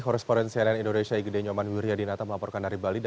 korrespondensi ln indonesia igd nyoman wiryadinata melaporkan dari bali